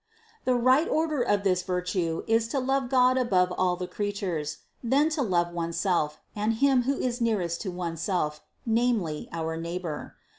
531. The right order of this virtue is to love God above all the creatures, then to love oneself, and him who is nearest to oneself, namely, our neighbor.